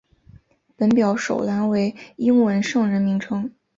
本表首栏为英文圣人名称。